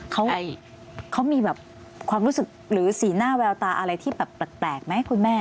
เขามีแบบความรู้สึกหรือสีหน้าแววตาอะไรที่แบบแปลกไหมคุณแม่